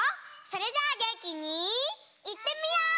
それじゃあげんきにいってみよう！